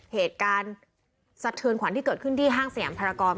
เหตุการณ์สะเทือนขวัญที่เกิดขึ้นที่ห้างสยามภารกร